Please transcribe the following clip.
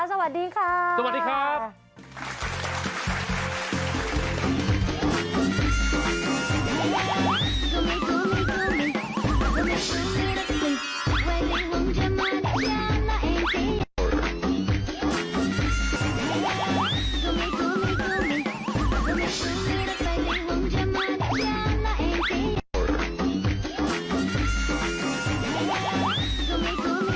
สวัสดีค่ะสวัสดีครับ